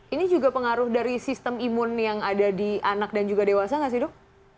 ini juga pengaruh dari sistem imun yang ada di anak dan juga dewasa gak sih dok